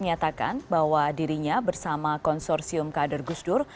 menyatakan bahwa dirinya bersama konsorsium kader gusdur